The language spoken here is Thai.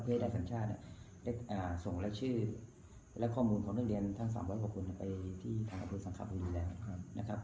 เพื่อให้ได้สัญชาติได้ส่งรายชื่อและข้อมูลของนักเรียนทั้ง๓๐๐กว่าคนไปที่ทางอำเภอสังคบุรีแล้วนะครับ